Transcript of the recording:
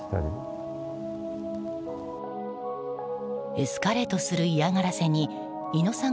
エスカレートする嫌がらせに猪野さん